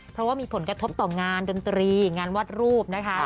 เพราะว่ามีผลกระทบต่องานดนตรีงานวาดรูปนะคะ